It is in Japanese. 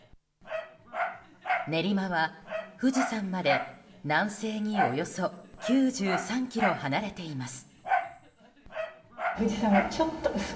練馬は富士山まで南西におよそ９３ｋｍ離れています。